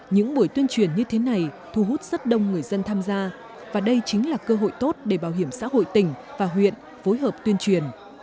những buổi tuyên truyền như thế này thu hút rất đông người dân tham gia và đây chính là cơ hội tốt để bảo hiểm xã hội tỉnh và huyện phối hợp tuyên truyền